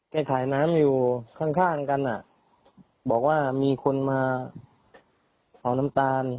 แกขายน้ำอยู่ข้างกันบอกว่ามีคนมาเอาน้ำตาล